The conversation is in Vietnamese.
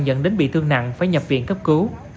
dẫn đến bị thương nặng phải nhập viện cấp cứu